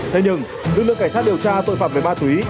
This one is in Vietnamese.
thế nhưng lực lượng cảnh sát điều tra tội phạm về ma túy